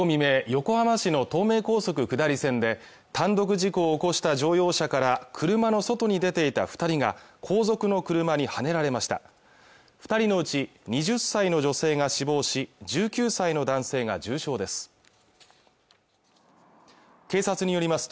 横浜市の東名高速下り線で単独事故を起こした乗用車から車の外に出ていた二人が後続の車にはねられました二人のうち２０歳の女性が死亡し１９歳の男性が重傷です